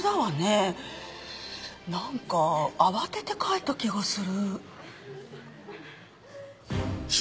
なんか慌てて描いた気がする。